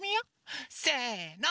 せの！